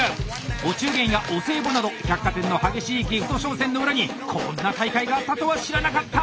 お中元やお歳暮など百貨店の激しいギフト商戦の裏にこんな大会があったとは知らなかった！